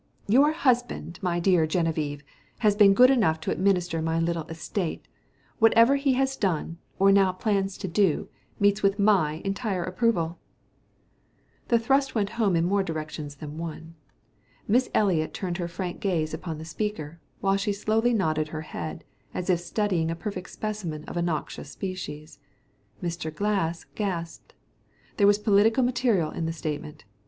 "Your husband, my dear Geneviève, has been good enough to administer my little estate. Whatever he has done, or now plans to do, meets with my entire approval." The thrust went home in more directions than one. Miss Eliot turned her frank gaze upon the speaker, while she slowly nodded her head as if studying a perfect specimen of a noxious species. Mr. Glass gasped. There was political material in the statement.